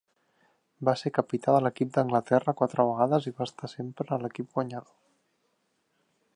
Va ser capità de l'equip d'Anglaterra quatre vegades i va estar sempre a l'equip guanyador.